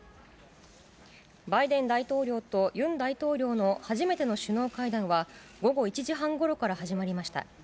バイデン大統領とユン大統領の初めての首脳会談は、午後１時半ごろから始まりました。